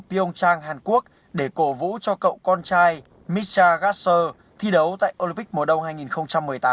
pyeongchang hàn quốc để cổ vũ cho cậu con trai mischa gasser thi đấu tại olympic mùa đông hai nghìn một mươi tám